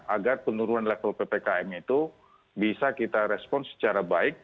agar penurunan level ppkm itu bisa kita respon secara baik